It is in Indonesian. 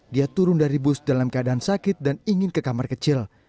dia turun dari bus dalam keadaan sakit dan ingin ke kamar kecil